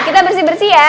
kita bersih bersih ya